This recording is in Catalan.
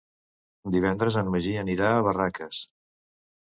Divendres en Magí anirà a Barraques.